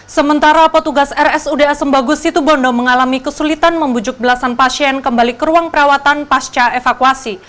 sementara petugas rsud asembagus situbondo mengalami kesulitan membujuk belasan pasien kembali ke ruang perawatan pasca evakuasi